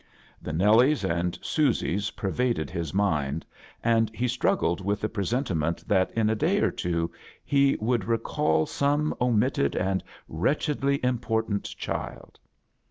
The Nellies and Susies pervaded his mind, and he struggled with the presentiment that in a day or two he would recall some omitted and wretchedly important child.